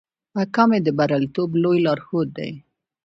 اکامي د بریالیتوب لوی لارښود دی.